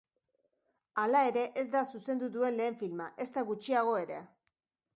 Hala ere, ez da zuzendu duen lehen filma, ezta gutxiago ere.